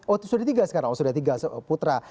oh itu sudah tiga sekarang sudah tiga putra